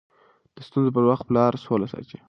د ستونزو پر وخت پلار سوله ساتي.